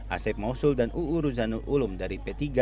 asef mausul dan uu ruzanul ulum dari p tiga